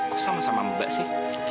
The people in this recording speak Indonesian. gue sama sama mbak sih